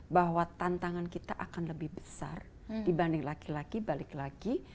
bahwa tantangan kita akan lebih besar dibanding laki laki balik lagi